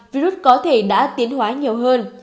virus có thể đã tiến hóa nhiều hơn